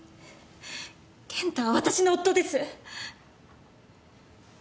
健太は私の夫です。